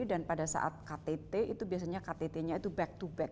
dan pada saat ktt itu biasanya ktt nya itu back to back